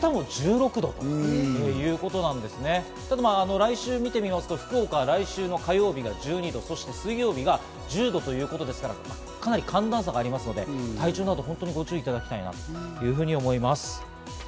来週を見てみますと福岡、来週の火曜日が１２度、水曜日が１０度ということですから、かなり寒暖差がありますから、体調などにご注意いただきたいと思います。